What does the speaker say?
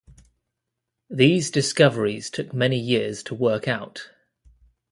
These discoveries took many years to work out.